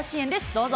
どうぞ。